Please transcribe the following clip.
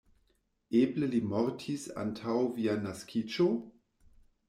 Eble li mortis antaŭ via naskiĝo?